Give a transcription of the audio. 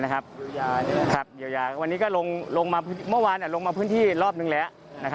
เยียวยาวันนี้ก็ลงมาเมื่อวานลงมาพื้นที่รอบนึงแล้ว